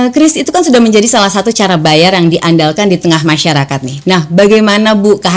kris itu kan sudah menjadi salah satu cara bayar yang diandalkan di tengah masyarakat nih nah bagaimana bu